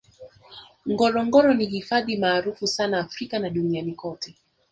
ngorongoro ni hifadhi maarufu sana africa na duniani kote